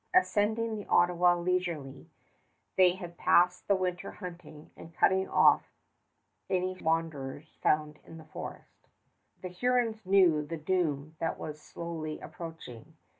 Ascending the Ottawa leisurely, they had passed the winter hunting and cutting off any stray wanderers found in the forest. The Hurons knew the doom that was slowly approaching.